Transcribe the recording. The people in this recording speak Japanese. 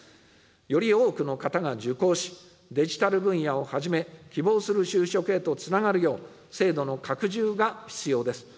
より多くの方が受講し、デジタル分野をはじめ、希望する就職へとつながるよう、制度の拡充が必要です。